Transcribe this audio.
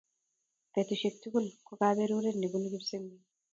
betusiek tugul ko kabaruret nebunu kipsenget